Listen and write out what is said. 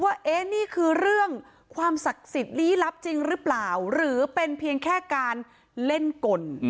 ว่านี่คือเรื่องความศักดิ์สิทธิ์ลี้ลับจริงหรือเปล่าหรือเป็นเพียงแค่การเล่นกล